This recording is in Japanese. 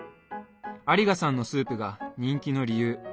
有賀さんのスープが人気の理由